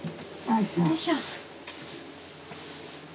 よいしょ。